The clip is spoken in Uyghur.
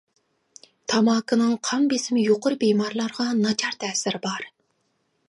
تاماكىنىڭ قان بېسىمى يۇقىرى بىمارلارغا ناچار تەسىرى بار.